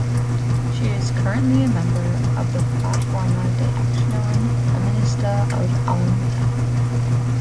She is currently a member of the Plataforma de Acción Feminista of Almería.